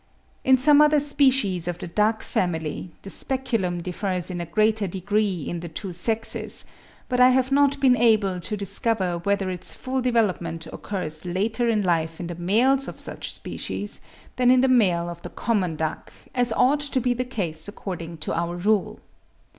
In some other species of the Duck family the speculum differs in a greater degree in the two sexes; but I have not been able to discover whether its full development occurs later in life in the males of such species, than in the male of the common duck, as ought to be the case according to our rule.